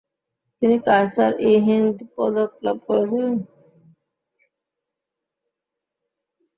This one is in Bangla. তিনি কায়সার-ই-হিন্দ পদক লাভ করেছিলেন।